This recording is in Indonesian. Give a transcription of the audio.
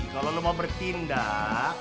kalau lo mau bertindak